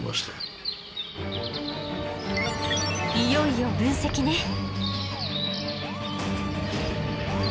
いよいよ分析ね。